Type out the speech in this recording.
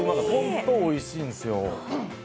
ホントおいしいんですよ。